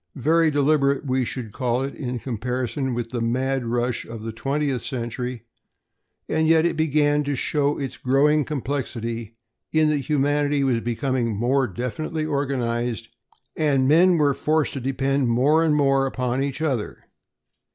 Very deliberate, we should call it in comparison with the mad rush of the twentieth century, and yet it began to show its growing complexity in that humanity was becoming more definitely organized and men were forced to depend more and more upon each other.